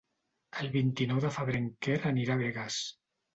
El vint-i-nou de febrer en Quer anirà a Begues.